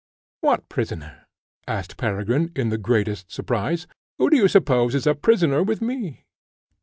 "What prisoner?" asked Peregrine, in the greatest surprise. "Who do you suppose is a prisoner with me?"